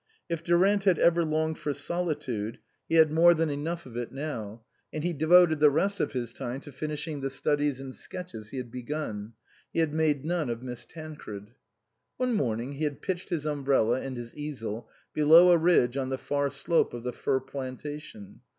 If Durant had ever longed for solitude, he had more than 105 THE COSMOPOLITAN enough of it now, and he devoted the rest of his time to finishing the studies and sketches he had begun. He had made none of Miss Tancred. One morning he had pitched his umbrella and his easel below a ridge on the far slope of the fir plantation.